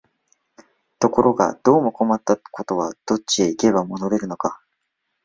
ところがどうも困ったことは、どっちへ行けば戻れるのか、